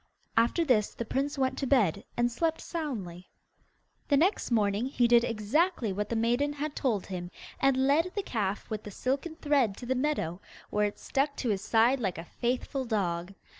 After this the prince went to bed and slept soundly. The next morning he did exactly what the maiden had told him, and led the calf with the silken thread to the meadow, where it stuck to his side like a faithful dog.